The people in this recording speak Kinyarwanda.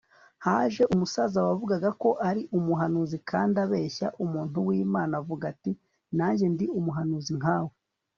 haje umusaza wavugaga ko ari umuhanuzi kandi abeshya umuntu wImana avuga ati Nanjye ndi umuhanuzi nkawe